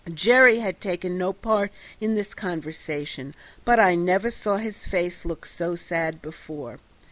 Jerry had taken no part in this conversation, but I never saw his face look so sad before.